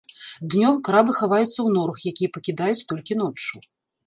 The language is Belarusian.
Днём крабы хаваюцца ў норах, якія пакідаюць толькі ноччу.